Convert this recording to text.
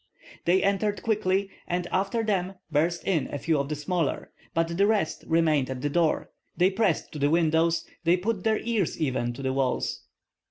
They entered quickly, and after them burst in a few of the smaller; but the rest remained at the door, they pressed to the windows, put their ears even to the walls.